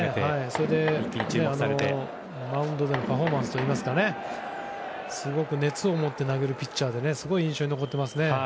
それでマウンドでのパフォーマンスというかすごく熱を持って投げるピッチャーですごい印象に残ってますね。